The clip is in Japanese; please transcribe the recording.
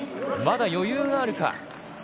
まだ余裕があるか。